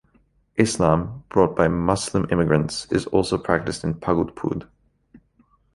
Islam, brought by Muslim immigrants, is also practiced in Pagudpud.